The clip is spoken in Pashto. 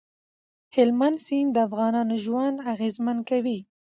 هلمند سیند د افغانانو ژوند اغېزمن کوي.